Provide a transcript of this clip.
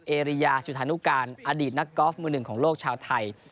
เอริยาจุธานุการอดีตนักกอล์ฟมือหนึ่งของโลกชาวไทย